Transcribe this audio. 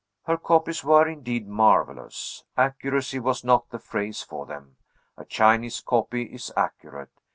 Her copies were indeed marvellous. Accuracy was not the phrase for them; a Chinese copy is accurate.